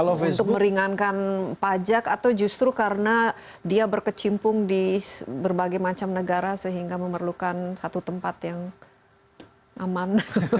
untuk meringankan pajak atau justru karena dia berkecimpung di berbagai macam negara sehingga memerlukan satu tempat yang aman